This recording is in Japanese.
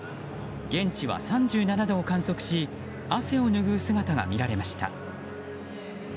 現地は３７度を観測し汗を拭う姿が見られました。